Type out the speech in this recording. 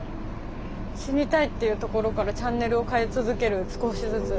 死にたいっていうところからチャンネルを変え続ける少しずつ。